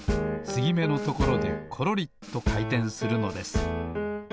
つぎめのところでコロリとかいてんするのです。